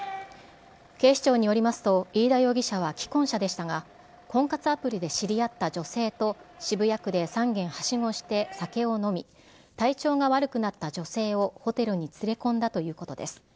警視庁によりますと、飯田容疑者は既婚者でしたが、婚活アプリで知り合った女性と渋谷区で３軒はしごして酒を飲み、体調が悪くなった女性をホテルに連れ込んだということです。